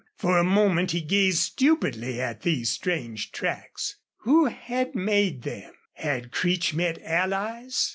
For a moment he gazed stupidly at these strange tracks. Who had made them? Had Creech met allies?